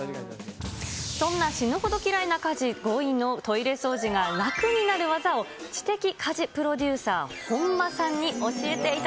そんな死ぬほど嫌いな家事５位のトイレ掃除が楽になる技を知的家事プロデューサー、本間さん